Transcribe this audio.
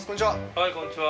はいこんにちは。